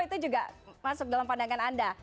itu juga masuk dalam pandangan anda